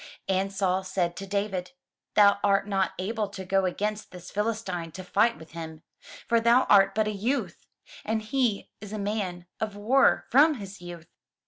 And Saul said to David, "Thou art not able to go against this Philistine to fight with him: for thou art but a youth, and he a man of war from his youth."